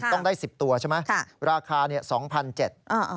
ต้องได้๑๐ตัวใช่ไหมราคาเนี่ย๒๗๐๐บาท